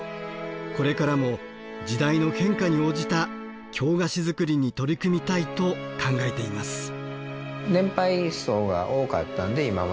これからも時代の変化に応じた京菓子作りに取り組みたいと考えています。